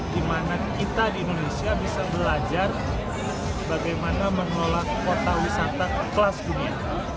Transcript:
di mana kita di indonesia bisa belajar bagaimana mengelola kota wisata kelas dunia